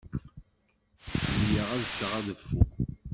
Ḥemmleɣ ad cceɣ aḍeffu.